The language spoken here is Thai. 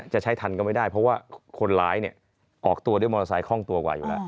จะใช้ทันก็ไม่ได้เพราะว่าคนร้ายเนี่ยออกตัวด้วยมอเตอร์ไซคล่องตัวกว่าอยู่แล้ว